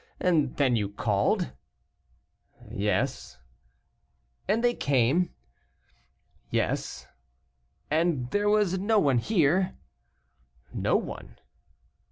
And then you called?" "Yes." "And they came?" "Yes." "And there was no one here?" "No one."